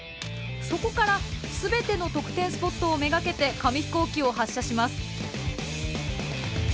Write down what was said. そこから全ての得点スポットを目がけて紙ヒコーキを発射します。